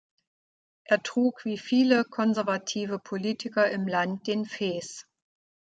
Er trug wie viele konservative Politiker im Land den Fes.